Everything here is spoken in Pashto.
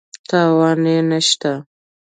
تاوان یې نه شته.